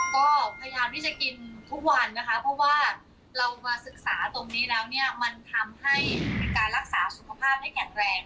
ก็พยายามที่จะกินทุกวันนะคะเพราะว่าเรามาศึกษาตรงนี้แล้วเนี่ยมันทำให้เป็นการรักษาสุขภาพให้แข็งแรง